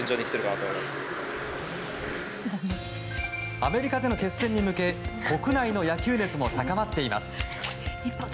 アメリカでの決戦に向け国内の野球熱も高まっています。